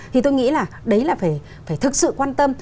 thì tôi nghĩ là đấy là phải thực sự quan tâm